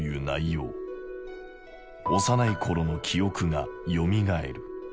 幼いころの記憶がよみがえる。